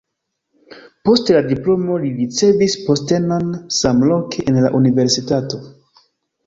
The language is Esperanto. Post la diplomo li ricevis postenon samloke en la universitato.